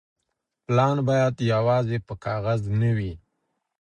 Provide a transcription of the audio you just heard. پلان بايد يوازي په کاغذ نه وي.